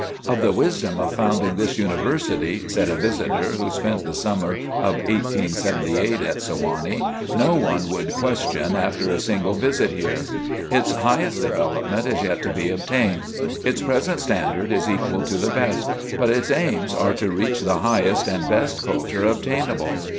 "Of the wisdom of founding this University," said a visitor who spent the summer of 1878 at Sewanee, "no one would question after a single visit here. Its highest development is yet to be obtained. Its present standard is equal to the best, but its aims are to reach the highest and best culture obtainable.